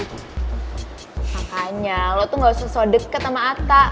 kakaknya lo tuh gak usah so deket sama ata